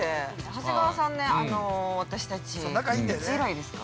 長谷川さんね、私たちいつ以来ですか。